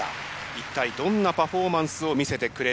一体どんなパフォーマンスを見せてくれるのか。